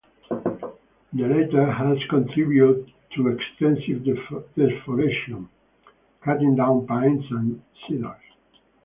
The latter has contributed to extensive deforestation, cutting down pines and cedars.